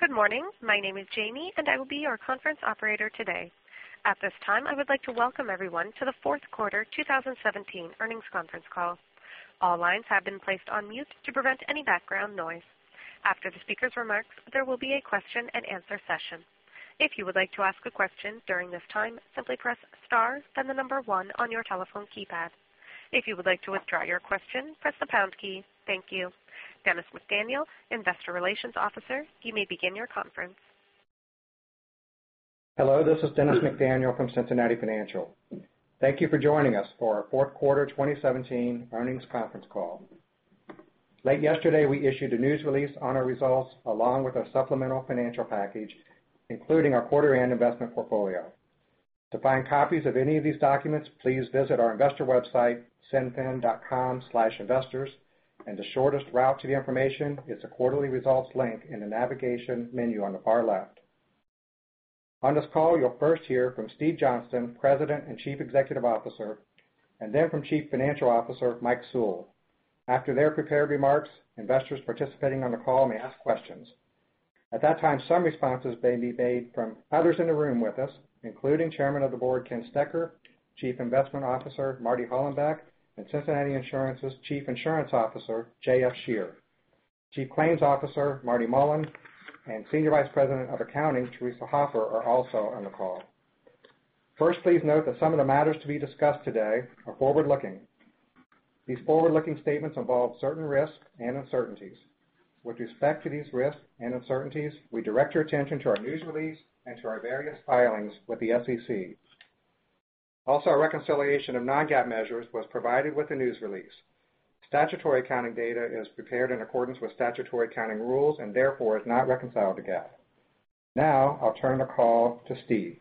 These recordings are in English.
Good morning. My name is Jamie, I will be your conference operator today. At this time, I would like to welcome everyone to the fourth quarter 2017 earnings conference call. All lines have been placed on mute to prevent any background noise. After the speaker's remarks, there will be a question and answer session. If you would like to ask a question during this time, simply press star, then the number 1 on your telephone keypad. If you would like to withdraw your question, press the pound key. Thank you. Dennis McDaniel, Investor Relations Officer, you may begin your conference. Hello, this is Dennis McDaniel from Cincinnati Financial. Thank you for joining us for our fourth quarter 2017 earnings conference call. Late yesterday, we issued a news release on our results along with our supplemental financial package, including our quarter and investment portfolio. To find copies of any of these documents, please visit our investor website, cinfin.com/investors, the shortest route to the information is the quarterly results link in the navigation menu on the far left. On this call, you'll first hear from Steve Johnston, President and Chief Executive Officer, then from Chief Financial Officer, Mike Sewell. After their prepared remarks, investors participating on the call may ask questions. At that time, some responses may be made from others in the room with us, including Chairman of the Board, Ken Stecher, Chief Investment Officer, Marty Hollenbach, Cincinnati Insurance's Chief Insurance Officer, J.F. Scherer. Chief Claims Officer, Marty Mullen, Senior Vice President of Accounting, Teresa Hopper, are also on the call. First, please note that some of the matters to be discussed today are forward-looking. These forward-looking statements involve certain risks and uncertainties. With respect to these risks and uncertainties, we direct your attention to our news release and to our various filings with the SEC. Our reconciliation of non-GAAP measures was provided with the news release. Statutory accounting data is prepared in accordance with statutory accounting rules and therefore is not reconciled to GAAP. Now, I'll turn the call to Steve.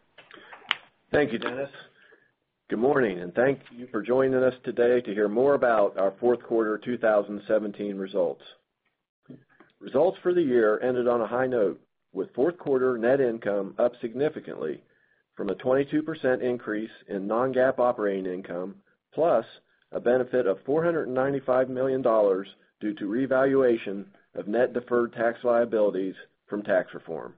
Thank you, Dennis. Good morning, thank you for joining us today to hear more about our fourth quarter 2017 results. Results for the year ended on a high note with fourth quarter net income up significantly from a 22% increase in non-GAAP operating income, plus a benefit of $495 million due to revaluation of net deferred tax liabilities from tax reform.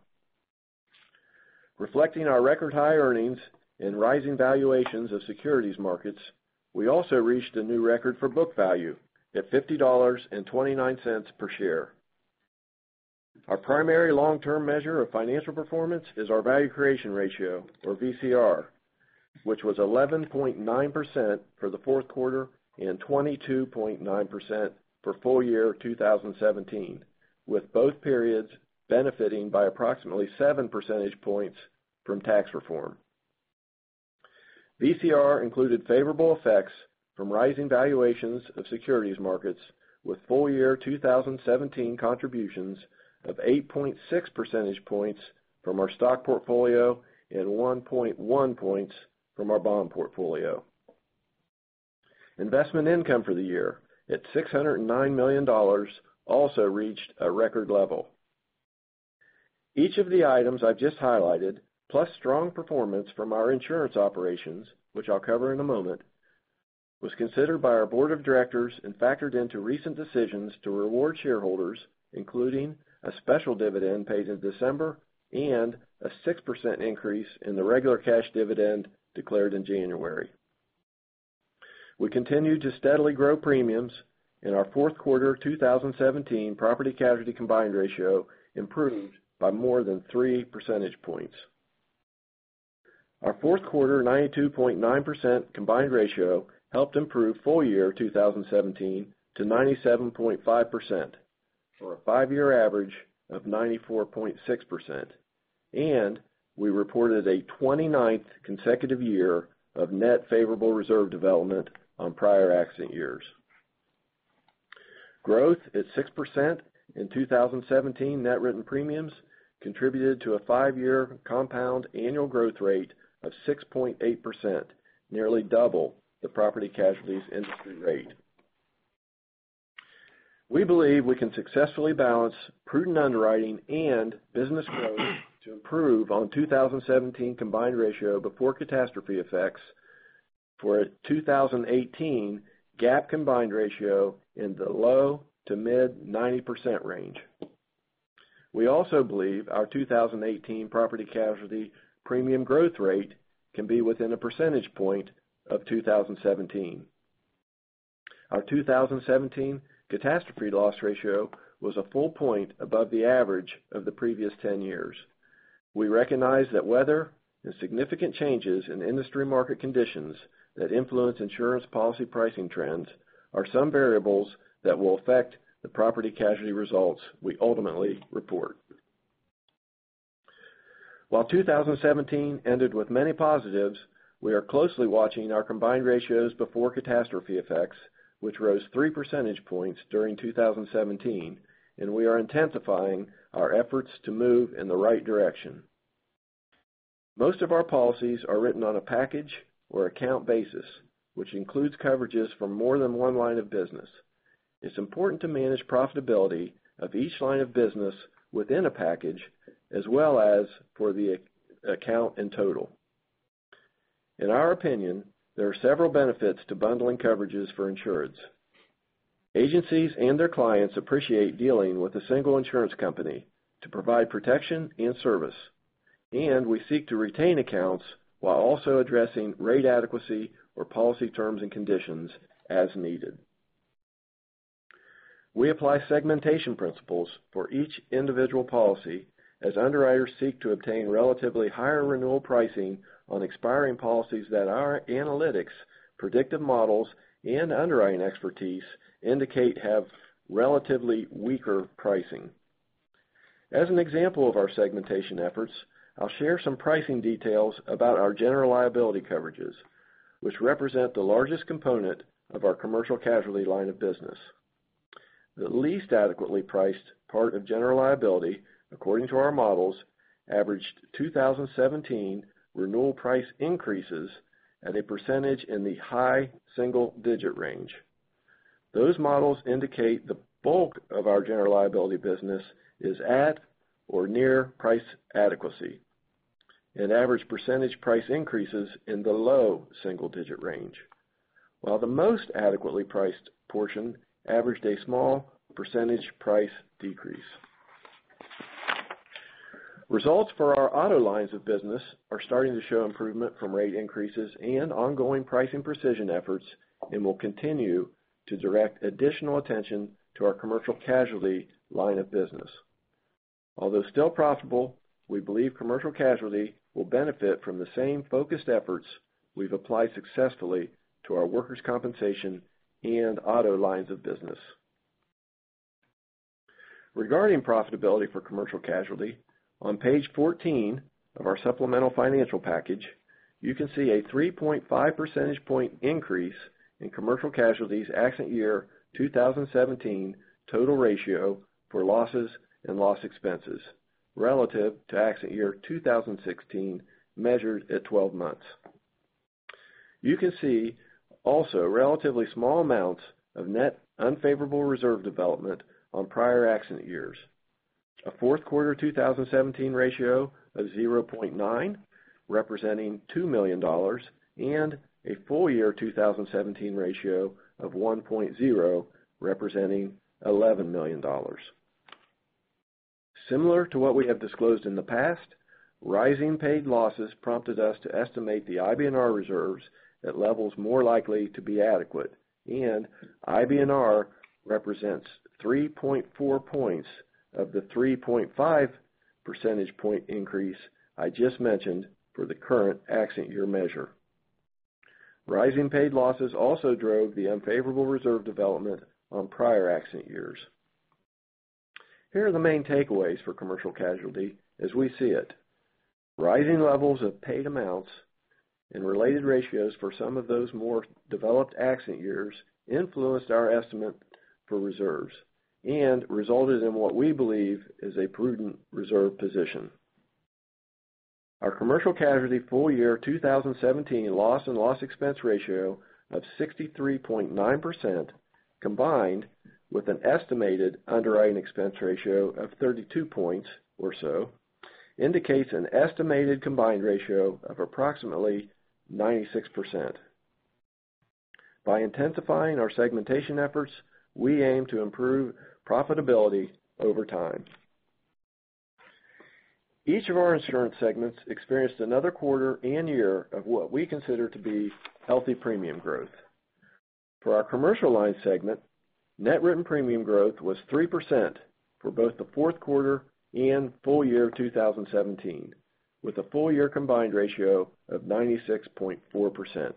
Reflecting our record high earnings and rising valuations of securities markets, we also reached a new record for book value at $50.29 per share. Our primary long-term measure of financial performance is our value creation ratio or VCR, which was 11.9% for the fourth quarter and 22.9% for full year 2017, with both periods benefiting by approximately seven percentage points from tax reform. VCR included favorable effects from rising valuations of securities markets with full year 2017 contributions of 8.6 percentage points from our stock portfolio and 1.1 points from our bond portfolio. Investment income for the year, at $609 million, also reached a record level. Each of the items I've just highlighted, plus strong performance from our insurance operations, which I'll cover in a moment, was considered by our board of directors and factored into recent decisions to reward shareholders, including a special dividend paid in December and a 6% increase in the regular cash dividend declared in January. We continue to steadily grow premiums in our fourth quarter 2017 property casualty combined ratio improved by more than 3 percentage points. Our fourth quarter 92.9% combined ratio helped improve full year 2017 to 97.5%, or a five-year average of 94.6%, and we reported a 29th consecutive year of net favorable reserve development on prior accident years. Growth at 6% in 2017 net written premiums contributed to a five-year compound annual growth rate of 6.8%, nearly double the property casualty's industry rate. We believe we can successfully balance prudent underwriting and business growth to improve on 2017 combined ratio before catastrophe effects for a 2018 GAAP combined ratio in the low to mid 90% range. We also believe our 2018 property casualty premium growth rate can be within a percentage point of 2017. Our 2017 catastrophe loss ratio was a full point above the average of the previous 10 years. We recognize that weather and significant changes in industry market conditions that influence insurance policy pricing trends are some variables that will affect the property casualty results we ultimately report. While 2017 ended with many positives, we are closely watching our combined ratios before catastrophe effects, which rose 3 percentage points during 2017, and we are intensifying our efforts to move in the right direction. Most of our policies are written on a package or account basis, which includes coverages for more than one line of business. It's important to manage profitability of each line of business within a package, as well as for the account in total. In our opinion, there are several benefits to bundling coverages for insureds. Agencies and their clients appreciate dealing with a single insurance company to provide protection and service, we seek to retain accounts while also addressing rate adequacy or policy terms and conditions as needed. We apply segmentation principles for each individual policy as underwriters seek to obtain relatively higher renewal pricing on expiring policies that our analytics, predictive models, and underwriting expertise indicate have relatively weaker pricing. As an example of our segmentation efforts, I'll share some pricing details about our general liability coverages, which represent the largest component of our commercial casualty line of business. The least adequately priced part of general liability, according to our models, averaged 2017 renewal price increases at a percentage in the high single-digit range. Those models indicate the bulk of our general liability business is at or near price adequacy, and average percentage price increases in the low single-digit range, while the most adequately priced portion averaged a small percentage price decrease. Results for our auto lines of business are starting to show improvement from rate increases and ongoing pricing precision efforts and will continue to direct additional attention to our commercial casualty line of business. Although still profitable, we believe commercial casualty will benefit from the same focused efforts we've applied successfully to the workers' compensation and auto lines of business. Regarding profitability for commercial casualty, on page 14 of our supplemental financial package, you can see a 3.5 percentage point increase in commercial casualty's accident year 2017 total ratio for losses and loss expenses relative to accident year 2016, measured at 12 months. You can see also relatively small amounts of net unfavorable reserve development on prior accident years. A fourth quarter 2017 ratio of 0.9, representing $2 million, and a full year 2017 ratio of 1.0, representing $11 million. Similar to what we have disclosed in the past, rising paid losses prompted us to estimate the IBNR reserves at levels more likely to be adequate. IBNR represents 3.4 points of the 3.5 percentage point increase I just mentioned for the current accident year measure. Rising paid losses also drove the unfavorable reserve development on prior accident years. Here are the main takeaways for commercial casualty as we see it. Rising levels of paid amounts and related ratios for some of those more developed accident years influenced our estimate for reserves and resulted in what we believe is a prudent reserve position. Our commercial casualty full year 2017 loss and loss expense ratio of 63.9%, combined with an estimated underwriting expense ratio of 32 points or so, indicates an estimated combined ratio of approximately 96%. By intensifying our segmentation efforts, we aim to improve profitability over time. Each of our insurance segments experienced another quarter and year of what we consider to be healthy premium growth. For our commercial lines segment, net written premium growth was 3% for both the fourth quarter and full year 2017, with a full-year combined ratio of 96.4%.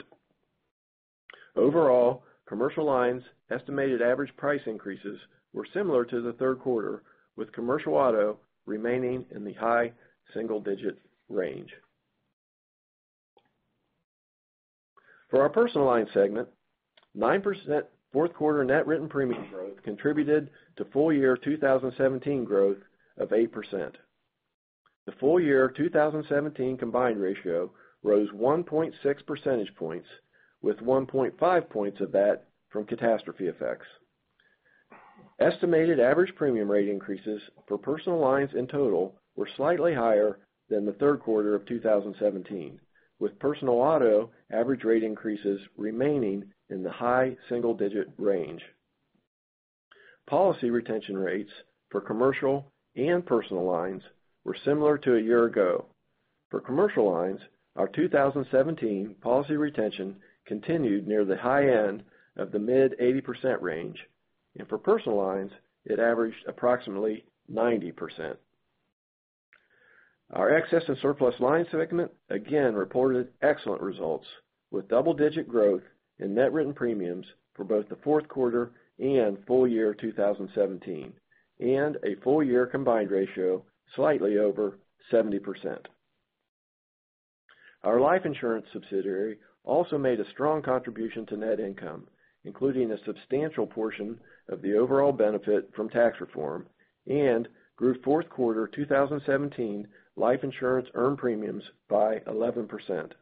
Overall, commercial lines' estimated average price increases were similar to the third quarter, with commercial auto remaining in the high single-digit range. For our personal lines segment, 9% fourth quarter net written premium growth contributed to full year 2017 growth of 8%. The full year 2017 combined ratio rose 1.6 percentage points, with 1.5 points of that from catastrophe effects. Estimated average premium rate increases for personal lines in total were slightly higher than the third quarter of 2017, with personal auto average rate increases remaining in the high single-digit range. Policy retention rates for commercial and personal lines were similar to a year ago. For commercial lines, our 2017 policy retention continued near the high end of the mid 80% range, and for personal lines, it averaged approximately 90%. Our excess and surplus lines segment again reported excellent results, with double-digit growth in net written premiums for both the fourth quarter and full year 2017, and a full-year combined ratio slightly over 70%. Our life insurance subsidiary also made a strong contribution to net income, including a substantial portion of the overall benefit from tax reform, and grew fourth quarter 2017 life insurance earned premiums by 11%.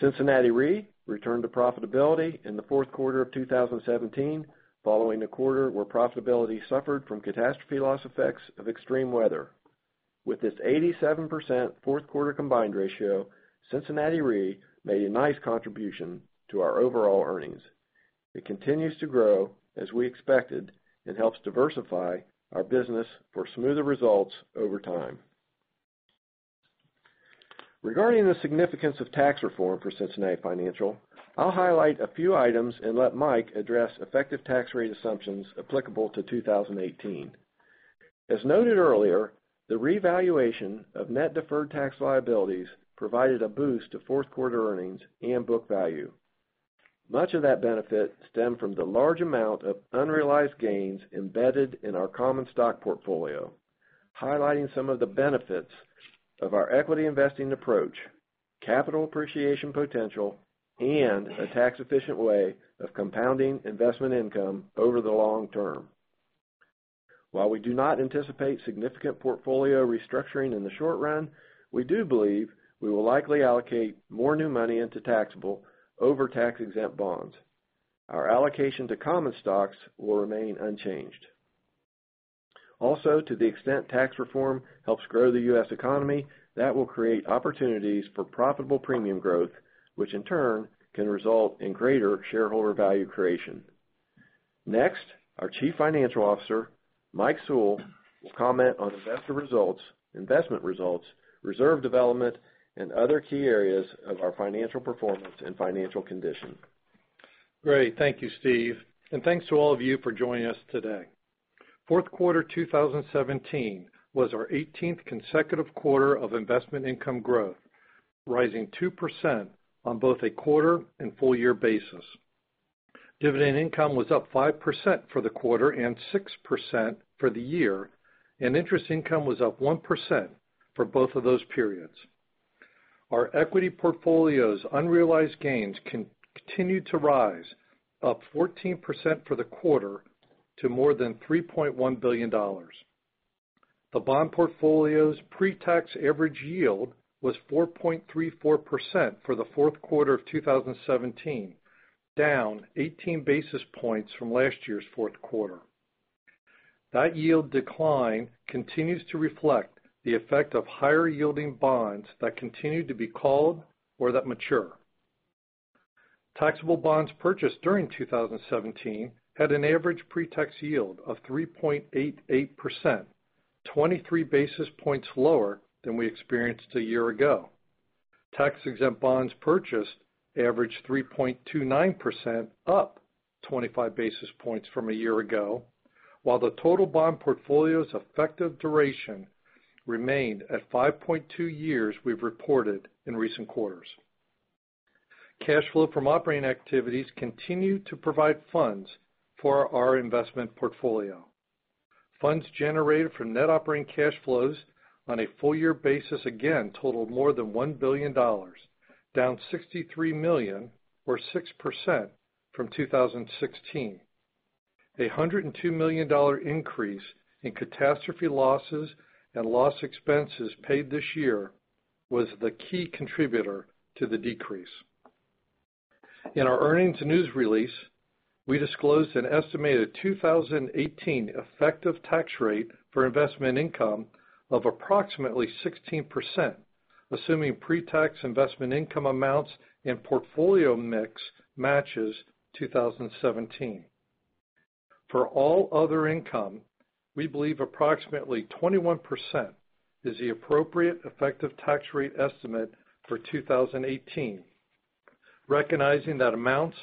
Cincinnati Re returned to profitability in the fourth quarter of 2017, following a quarter where profitability suffered from catastrophe loss effects of extreme weather. With this 87% fourth quarter combined ratio, Cincinnati Re made a nice contribution to our overall earnings. It continues to grow as we expected and helps diversify our business for smoother results over time. Regarding the significance of tax reform for Cincinnati Financial, I'll highlight a few items and let Mike address effective tax rate assumptions applicable to 2018. As noted earlier, the revaluation of net deferred tax liabilities provided a boost to fourth quarter earnings and book value. Much of that benefit stemmed from the large amount of unrealized gains embedded in our common stock portfolio, highlighting some of the benefits of our equity investing approach, capital appreciation potential, and a tax-efficient way of compounding investment income over the long term. While we do not anticipate significant portfolio restructuring in the short run, we do believe we will likely allocate more new money into taxable over tax-exempt bonds. Our allocation to common stocks will remain unchanged. Also, to the extent tax reform helps grow the U.S. economy, that will create opportunities for profitable premium growth, which in turn can result in greater shareholder value creation. Next, our Chief Financial Officer, Mike Sewell, will comment on investor results, investment results, reserve development, and other key areas of our financial performance and financial condition. Great. Thank you, Steve, and thanks to all of you for joining us today. Fourth quarter 2017 was our 18th consecutive quarter of investment income growth, rising 2% on both a quarter and full year basis. Dividend income was up 5% for the quarter and 6% for the year, and interest income was up 1% for both of those periods. Our equity portfolio's unrealized gains continued to rise, up 14% for the quarter to more than $3.1 billion. The bond portfolio's pretax average yield was 4.34% for the fourth quarter of 2017, down 18 basis points from last year's fourth quarter. That yield decline continues to reflect the effect of higher yielding bonds that continue to be called or that mature. Taxable bonds purchased during 2017 had an average pretax yield of 3.88%, 23 basis points lower than we experienced a year ago. Tax-exempt bonds purchased averaged 3.29%, up 25 basis points from a year ago, while the total bond portfolio's effective duration remained at 5.2 years we've reported in recent quarters. Cash flow from operating activities continued to provide funds for our investment portfolio. Funds generated from net operating cash flows on a full year basis again totaled more than $1 billion, down $63 million or 6% from 2016. A $102 million increase in catastrophe losses and loss expenses paid this year was the key contributor to the decrease. In our earnings news release, we disclosed an estimated 2018 effective tax rate for investment income of approximately 16%, assuming pretax investment income amounts and portfolio mix matches 2017. For all other income, we believe approximately 21% is the appropriate effective tax rate estimate for 2018, recognizing that amounts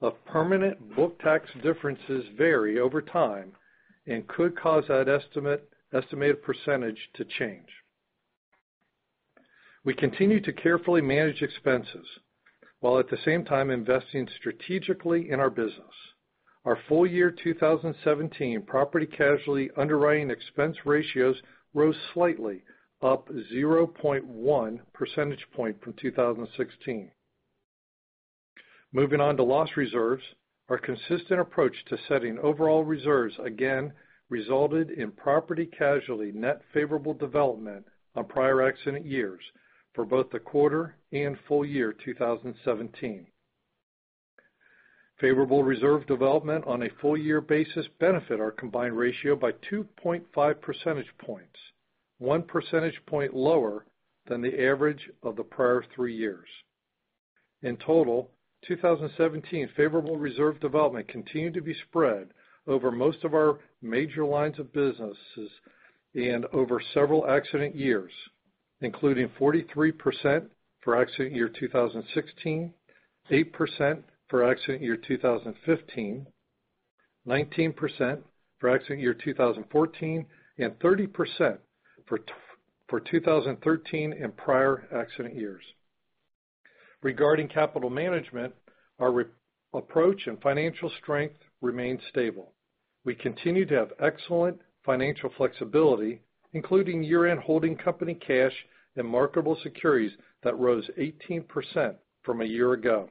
of permanent book tax differences vary over time and could cause that estimated percentage to change. We continue to carefully manage expenses while at the same time investing strategically in our business. Our full year 2017 property casualty underwriting expense ratios rose slightly, up 0.1 percentage point from 2016. Moving on to loss reserves, our consistent approach to setting overall reserves again resulted in property casualty net favorable development on prior accident years for both the quarter and full year 2017. Favorable reserve development on a full year basis benefit our combined ratio by 2.5 percentage points, one percentage point lower than the average of the prior three years. In total, 2017 favorable reserve development continued to be spread over most of our major lines of businesses and over several accident years, including 43% for accident year 2016, 8% for accident year 2015, 19% for accident year 2014, and 30% for 2013 and prior accident years. Regarding capital management, our approach and financial strength remain stable. We continue to have excellent financial flexibility, including year-end holding company cash and marketable securities that rose 18% from a year ago.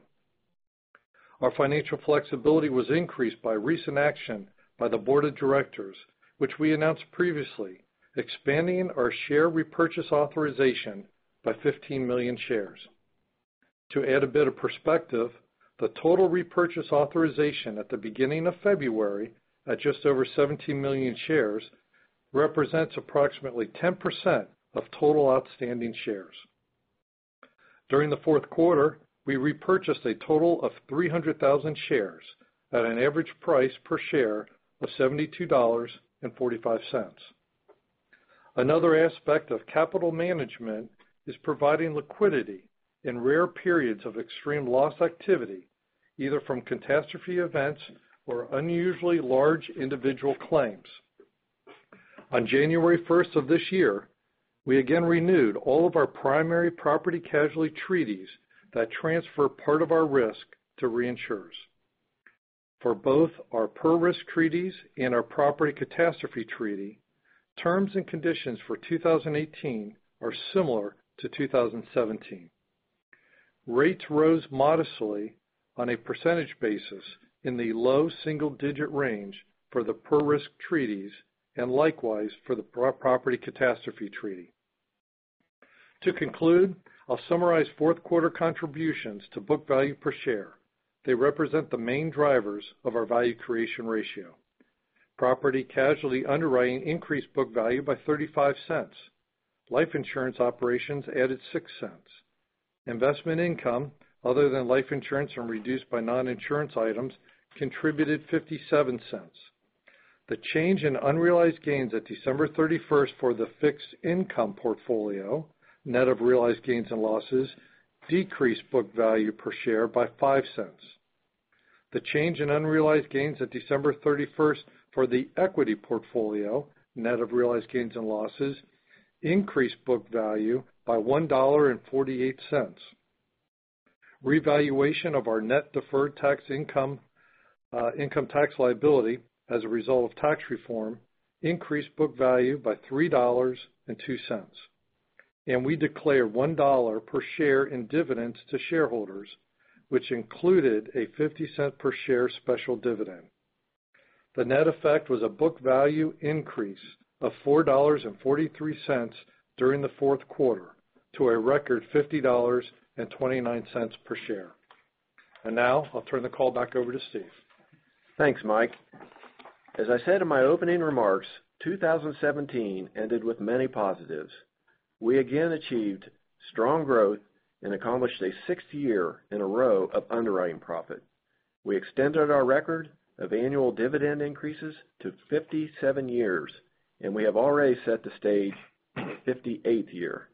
Our financial flexibility was increased by recent action by the board of directors, which we announced previously, expanding our share repurchase authorization by 15 million shares. To add a bit of perspective, the total repurchase authorization at the beginning of February, at just over 17 million shares, represents approximately 10% of total outstanding shares. During the fourth quarter, we repurchased a total of 300,000 shares at an average price per share of $72.45. Another aspect of capital management is providing liquidity in rare periods of extreme loss activity, either from catastrophe events or unusually large individual claims. On January 1st of this year, we again renewed all of our primary property casualty treaties that transfer part of our risk to reinsurers. For both our per risk treaties and our property catastrophe treaty, terms and conditions for 2018 are similar to 2017. Rates rose modestly on a percentage basis in the low single-digit range for the per risk treaties, and likewise for the property catastrophe treaty. To conclude, I'll summarize fourth quarter contributions to book value per share. They represent the main drivers of our value creation ratio. Property casualty underwriting increased book value by $0.35. Life insurance operations added $0.06. Investment income other than life insurance and reduced by non-insurance items contributed $0.57. The change in unrealized gains at December 31st for the fixed income portfolio, net of realized gains and losses, decreased book value per share by $0.05. The change in unrealized gains at December 31st for the equity portfolio, net of realized gains and losses, increased book value by $1.48. Revaluation of our net deferred income tax liability as a result of tax reform increased book value by $3.02. We declare $1 per share in dividends to shareholders, which included a $0.50 per share special dividend. The net effect was a book value increase of $4.43 during the fourth quarter to a record $50.29 per share. Now I'll turn the call back over to Steve. Thanks, Mike. As I said in my opening remarks, 2017 ended with many positives. We again achieved strong growth and accomplished a sixth year in a row of underwriting profit. We extended our record of annual dividend increases to 57 years, and we have already set the stage for the 58th year.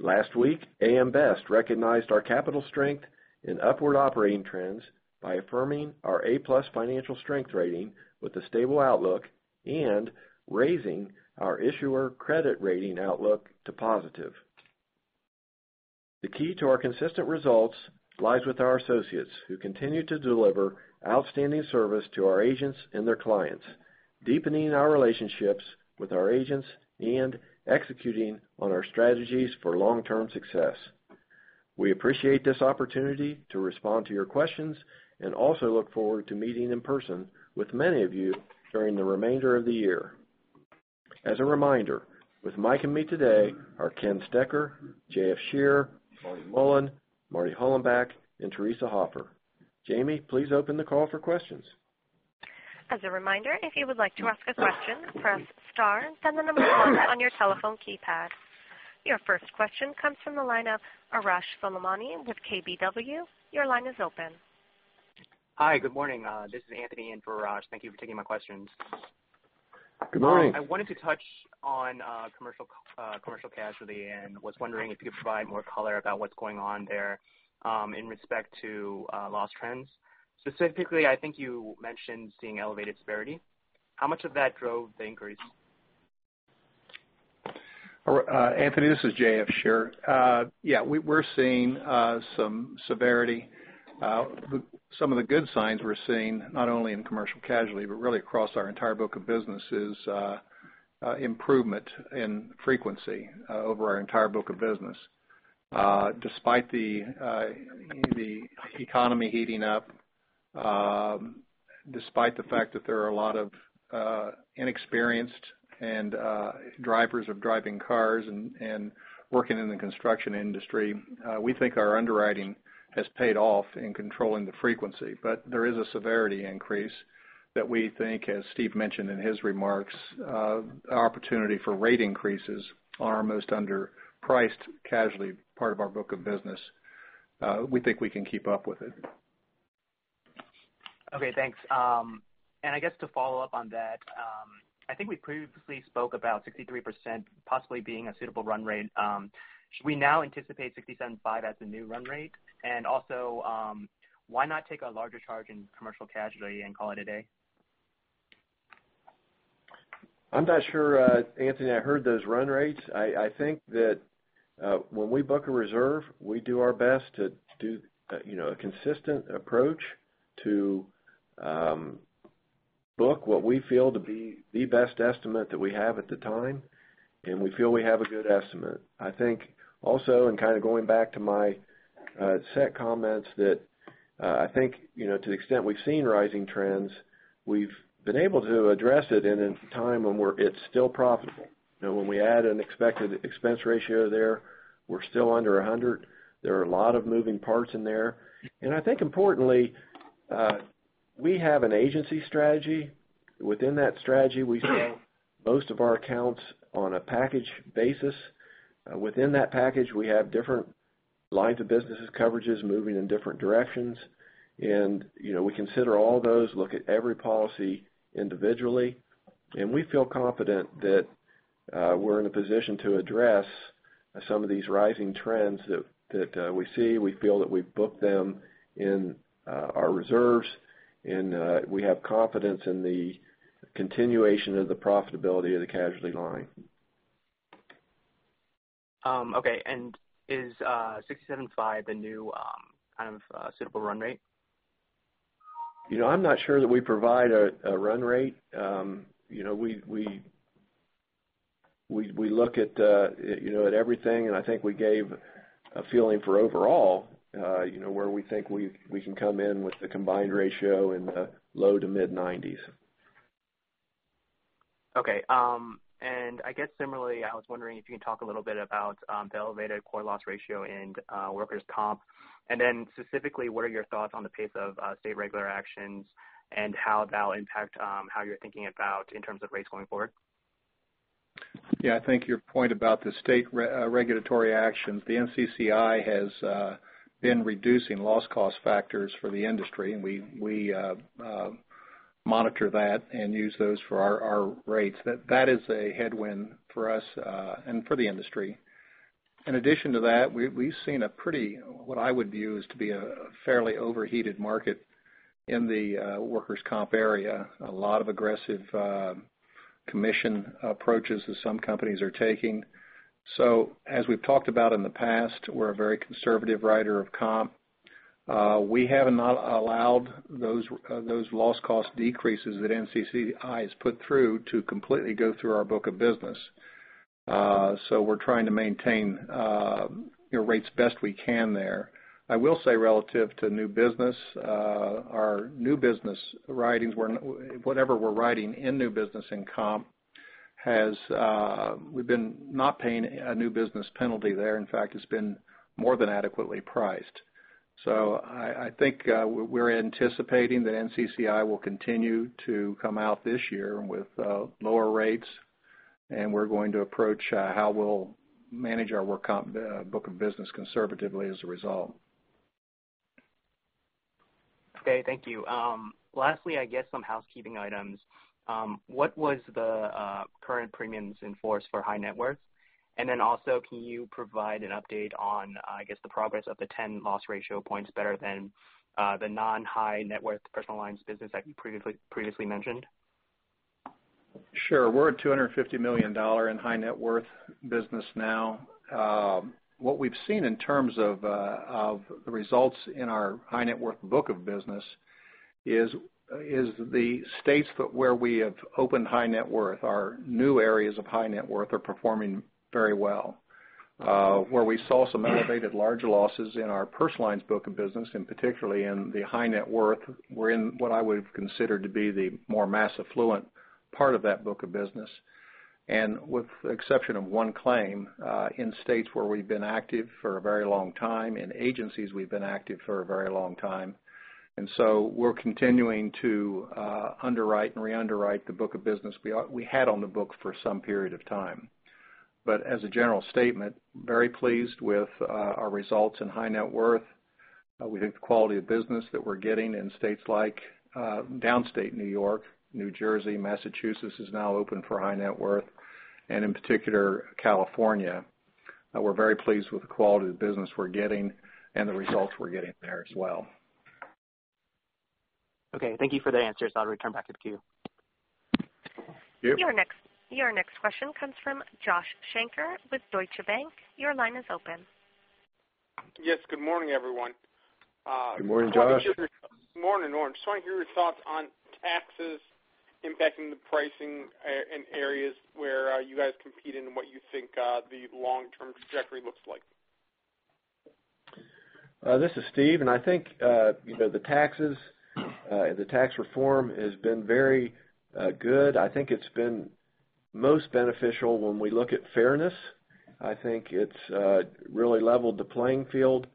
Last week, AM Best recognized our capital strength and upward operating trends by affirming our A+ Financial Strength Rating with a stable outlook and raising our issuer credit rating outlook to positive. The key to our consistent results lies with our associates, who continue to deliver outstanding service to our agents and their clients, deepening our relationships with our agents and executing on our strategies for long-term success. We appreciate this opportunity to respond to your questions and also look forward to meeting in person with many of you during the remainder of the year. As a reminder, with Mike and me today are Ken Stecher, J.F. Scherer, Marty Mullen, Marty Hollenbach, and Teresa Hopper. Jamie, please open the call for questions. As a reminder, if you would like to ask a question, press star, then the number on your telephone keypad. Your first question comes from the line of Arash Soleimani with KBW. Your line is open. Hi, good morning. This is Anthony in for Arash. Thank you for taking my questions. Good morning. I wanted to touch on commercial casualty and was wondering if you could provide more color about what's going on there in respect to loss trends. Specifically, I think you mentioned seeing elevated severity. How much of that drove the increase? Anthony, this is J.F. Scherer. Yeah, we're seeing some severity. Some of the good signs we're seeing, not only in commercial casualty, but really across our entire book of business, is improvement in frequency over our entire book of business. Despite the economy heating up, despite the fact that there are a lot of inexperienced drivers of driving cars and working in the construction industry, we think our underwriting has paid off in controlling the frequency. There is a severity increase that we think, as Steve mentioned in his remarks, opportunity for rate increases on our most underpriced casualty part of our book of business. We think we can keep up with it. Okay, thanks. I guess to follow up on that, I think we previously spoke about 63% possibly being a suitable run rate. Should we now anticipate 67.5 as the new run rate? Also, why not take a larger charge in commercial casualty and call it a day? I'm not sure, Anthony, I heard those run rates. I think that when we book a reserve, we do our best to do a consistent approach to book what we feel to be the best estimate that we have at the time, and we feel we have a good estimate. Kind of going back to my set comments that I think to the extent we've seen rising trends, we've been able to address it in a time when it's still profitable. When we add an expected expense ratio there, we're still under 100. There are a lot of moving parts in there. Importantly, we have an agency strategy. Within that strategy, we sell most of our accounts on a package basis. Within that package, we have different lines of businesses, coverages moving in different directions. We consider all those, look at every policy individually, and we feel confident that we're in a position to address some of these rising trends that we see. We feel that we've booked them in our reserves, and we have confidence in the continuation of the profitability of the casualty line. Okay. Is 675 the new kind of suitable run rate? I'm not sure that we provide a run rate. We look at everything, and I think we gave a feeling for overall where we think we can come in with the combined ratio in the low to mid-90s. Okay. I guess similarly, I was wondering if you can talk a little bit about the elevated core loss ratio and workers' comp. Specifically, what are your thoughts on the pace of state regulator actions and how that'll impact how you're thinking about in terms of rates going forward? Yeah, I think your point about the state regulatory actions, the NCCI has been reducing loss cost factors for the industry. We monitor that and use those for our rates. That is a headwind for us and for the industry. In addition to that, we've seen a pretty, what I would view is to be a fairly overheated market in the workers' comp area. A lot of aggressive commission approaches that some companies are taking. As we've talked about in the past, we're a very conservative writer of comp. We have not allowed those loss cost decreases that NCCI has put through to completely go through our book of business. We're trying to maintain rates the best we can there. I will say relative to new business, our new business writings, whatever we're writing in new business in comp, we've been not paying a new business penalty there. In fact, it's been more than adequately priced. I think we're anticipating that NCCI will continue to come out this year with lower rates. We're going to approach how we'll manage our work comp book of business conservatively as a result. Okay. Thank you. Lastly, I guess some housekeeping items. What was the current premiums in force for high net worth? Also, can you provide an update on, I guess, the progress of the 10 loss ratio points better than the non-high net worth personal lines business that you previously mentioned? Sure. We're at $250 million in high net worth business now. What we've seen in terms of the results in our high net worth book of business is the states where we have opened high net worth are new areas of high net worth are performing very well. Where we saw some elevated larger losses in our personal lines book of business, and particularly in the high net worth, we're in what I would consider to be the more mass affluent part of that book of business. With the exception of one claim, in states where we've been active for a very long time, in agencies we've been active for a very long time. We're continuing to underwrite and re-underwrite the book of business we had on the book for some period of time. As a general statement, very pleased with our results in high net worth. We think the quality of business that we're getting in states like downstate New York, New Jersey, Massachusetts is now open for high net worth, and in particular, California. We're very pleased with the quality of the business we're getting and the results we're getting there as well. Okay. Thank you for the answers. I'll return back to the queue. Thank you. Your next question comes from Josh Shanker with Deutsche Bank. Your line is open. Yes. Good morning, everyone. Good morning, Josh. Good morning, Norm. Just want to hear your thoughts on taxes impacting the pricing in areas where you guys compete and what you think the long-term trajectory looks like. This is Steve. I think the taxes, the tax reform has been very good. I think it's been most beneficial when we look at fairness. I think it's really leveled the playing field.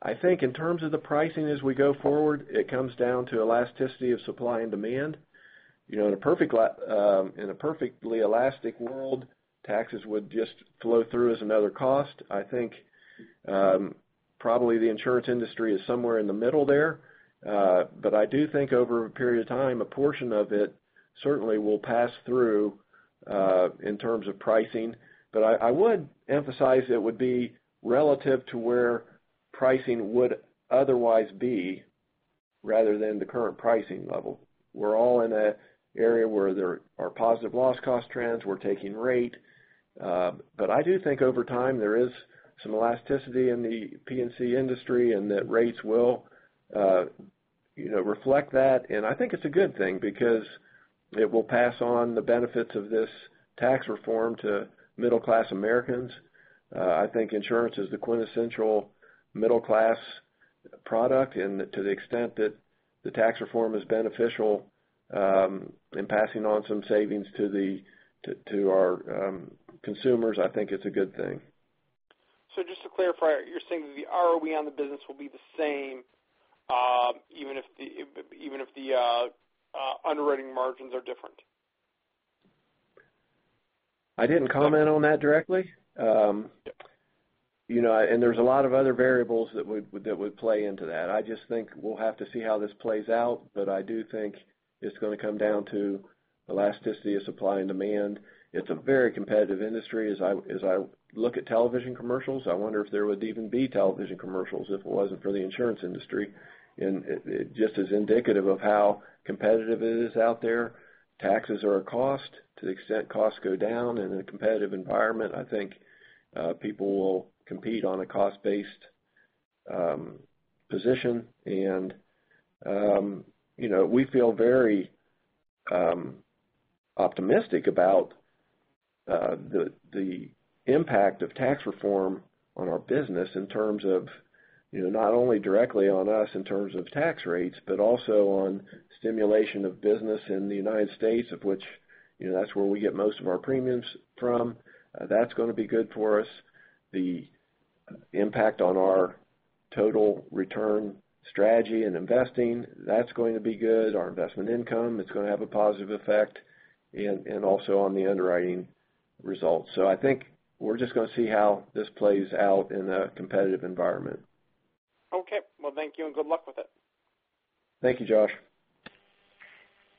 I think in terms of the pricing as we go forward, it comes down to elasticity of supply and demand. In a perfectly elastic world, taxes would just flow through as another cost. I think probably the insurance industry is somewhere in the middle there. I do think over a period of time, a portion of it certainly will pass through in terms of pricing. I would emphasize it would be relative to where pricing would otherwise be rather than the current pricing level. We're all in an area where there are positive loss cost trends, we're taking rate. I do think over time there is some elasticity in the P&C industry and that rates will reflect that. I think it's a good thing because it will pass on the benefits of this tax reform to middle-class Americans. I think insurance is the quintessential middle-class product. To the extent that the tax reform is beneficial in passing on some savings to our consumers, I think it's a good thing. Just to clarify, you're saying that the ROE on the business will be the same even if the underwriting margins are different? I didn't comment on that directly. There's a lot of other variables that would play into that. I just think we'll have to see how this plays out, I do think it's going to come down to elasticity of supply and demand. It's a very competitive industry. As I look at television commercials, I wonder if there would even be television commercials if it wasn't for the insurance industry. It just is indicative of how competitive it is out there. Taxes are a cost. To the extent costs go down in a competitive environment, I think people will compete on a cost-based position. We feel very optimistic about the impact of tax reform on our business in terms of not only directly on us in terms of tax rates, but also on stimulation of business in the U.S., of which that's where we get most of our premiums from. That's going to be good for us. The impact on our total return strategy and investing, that's going to be good. Our investment income, it's going to have a positive effect, and also on the underwriting results. I think we're just going to see how this plays out in a competitive environment. Well, thank you and good luck with it. Thank you, Josh.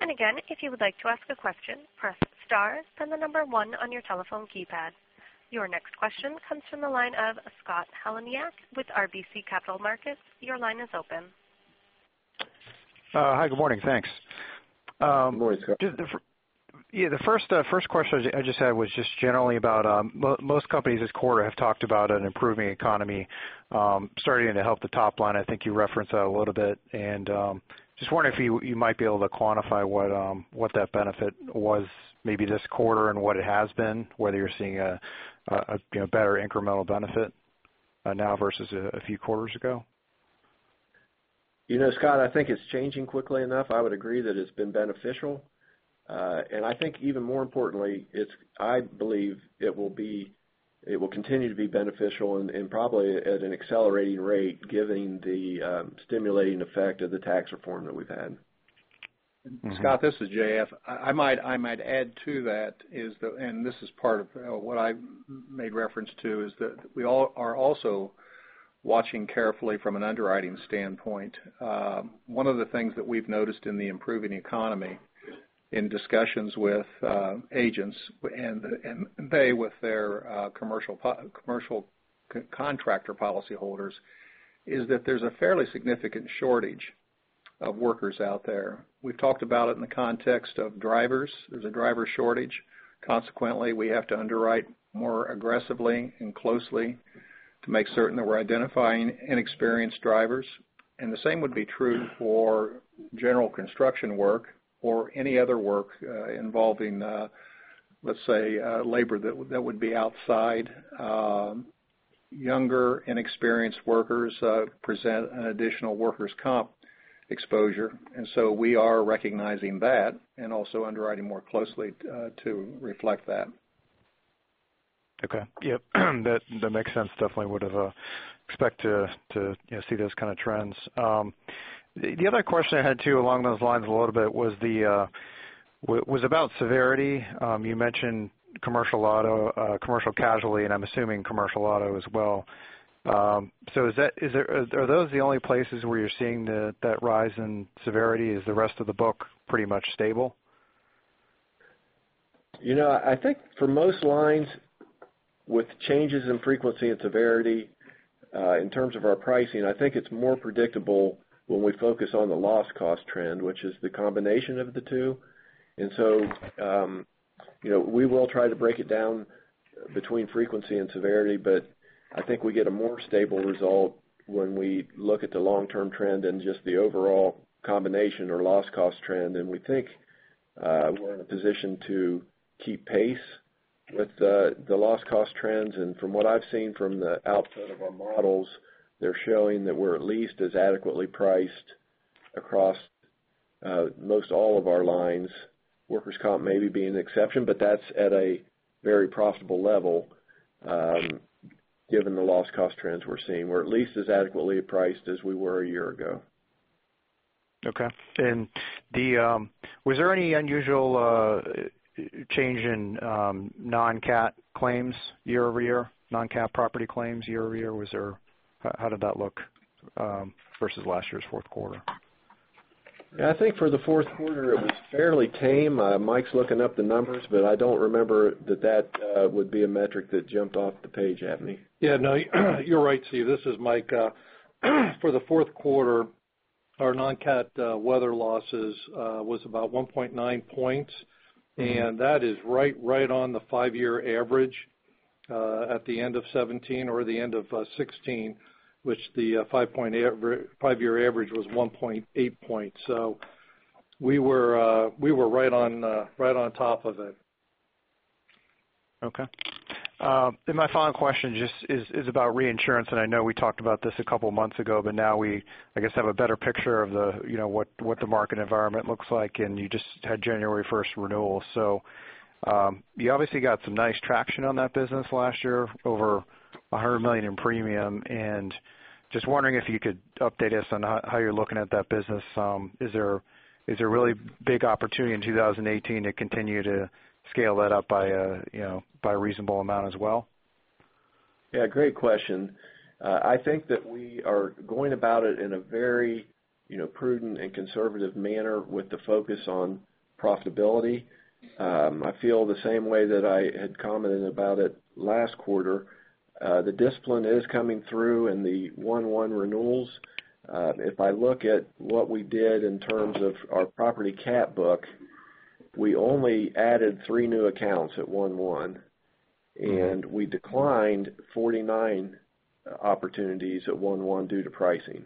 Again, if you would like to ask a question, press star, then the number one on your telephone keypad. Your next question comes from the line of Scott Heleniak with RBC Capital Markets. Your line is open. Hi, good morning. Thanks. Good morning, Scott. Yeah, the first question I just had was just generally about most companies this quarter have talked about an improving economy starting to help the top line. I think you referenced that a little bit. Just wondering if you might be able to quantify what that benefit was maybe this quarter and what it has been, whether you're seeing a better incremental benefit now versus a few quarters ago. Scott, I think it's changing quickly enough. I would agree that it's been beneficial. I think even more importantly, I believe it will continue to be beneficial and probably at an accelerating rate, given the stimulating effect of the tax reform that we've had. Scott, this is J.F. I might add to that is that, this is part of what I made reference to, is that we are also watching carefully from an underwriting standpoint. One of the things that we've noticed in the improving economy in discussions with agents and they with their commercial contractor policyholders, is that there's a fairly significant shortage of workers out there. We've talked about it in the context of drivers. There's a driver shortage. Consequently, we have to underwrite more aggressively and closely to make certain that we're identifying inexperienced drivers. The same would be true for general construction work or any other work involving, let's say, labor that would be outside. Younger, inexperienced workers present an additional workers' comp exposure. So we are recognizing that and also underwriting more closely to reflect that. Okay. Yep. That makes sense. Definitely would've expect to see those kind of trends. The other question I had too, along those lines a little bit was about severity. You mentioned commercial casualty, and I'm assuming commercial auto as well. Are those the only places where you're seeing that rise in severity? Is the rest of the book pretty much stable? I think for most lines with changes in frequency and severity in terms of our pricing, I think it's more predictable when we focus on the loss cost trend, which is the combination of the two. We will try to break it down between frequency and severity, but I think we get a more stable result when we look at the long-term trend and just the overall combination or loss cost trend. We think we're in a position to keep pace with the loss cost trends. From what I've seen from the output of our models, they're showing that we're at least as adequately priced across most all of our lines. Workers' comp may be an exception, but that's at a very profitable level given the loss cost trends we're seeing. We're at least as adequately priced as we were a year ago. Okay. Was there any unusual change in non-cat claims year-over-year? Non-cat property claims year-over-year? How did that look versus last year's fourth quarter? I think for the fourth quarter, it was fairly tame. Mike's looking up the numbers, but I don't remember that that would be a metric that jumped off the page at me. Yeah. No, you're right, Steve. This is Mike. For the fourth quarter Our non-cat weather losses was about 1.9 points, and that is right on the five-year average at the end of 2017 or the end of 2016, which the five-year average was 1.8 points. We were right on top of it. Okay. My final question just is about reinsurance. I know we talked about this a couple months ago, but now we, I guess, have a better picture of what the market environment looks like, and you just had January 1st renewal. You obviously got some nice traction on that business last year, over $100 million in premium, and just wondering if you could update us on how you're looking at that business. Is there a really big opportunity in 2018 to continue to scale that up by a reasonable amount as well? Yeah. Great question. I think that we are going about it in a very prudent and conservative manner with the focus on profitability. I feel the same way that I had commented about it last quarter. The discipline is coming through in the 1/1 renewals. If I look at what we did in terms of our property cat book, we only added three new accounts at 1/1, and we declined 49 opportunities at 1/1 due to pricing.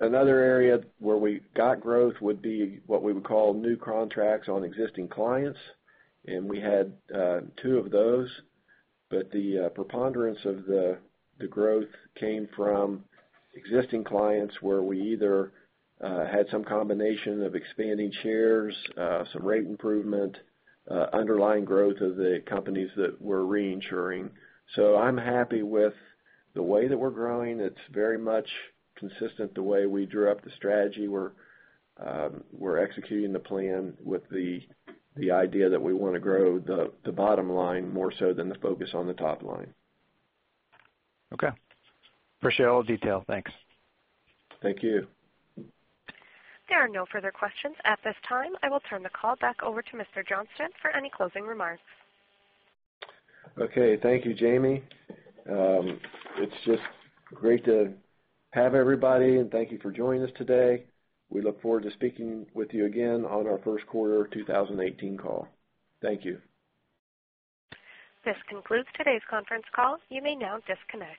Another area where we got growth would be what we would call new contracts on existing clients, and we had two of those. The preponderance of the growth came from existing clients where we either had some combination of expanding shares, some rate improvement, underlying growth of the companies that we're reinsuring. I'm happy with the way that we're growing. It's very much consistent the way we drew up the strategy. We're executing the plan with the idea that we want to grow the bottom line more so than the focus on the top line. Okay. Appreciate all the detail. Thanks. Thank you. There are no further questions at this time. I will turn the call back over to Mr. Johnston for any closing remarks. Okay. Thank you, Jamie. It is just great to have everybody, and thank you for joining us today. We look forward to speaking with you again on our first quarter 2018 call. Thank you. This concludes today's conference call. You may now disconnect.